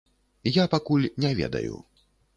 Я пакуль не ведаю.